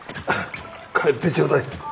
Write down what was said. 帰ってちょうだい。